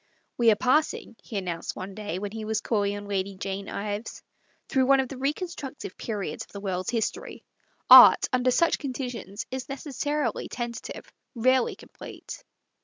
" We are passing," he announced one day, when he was calling on Lady Jane Ives, " through one of the reconstructive periods of the world's his tory. Art, under such conditions, is neces sarily tentative, rarely complete."